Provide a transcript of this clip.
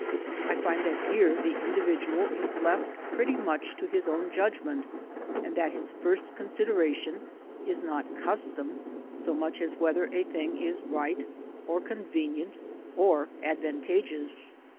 I find that here the individual is left pretty much to his own judgment and that his first con sideration is not custom so much as whether a thing is right or convenient or advantageous.